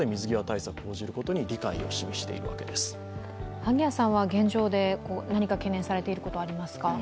萩谷さんは現状で何か懸念されていることはありますか？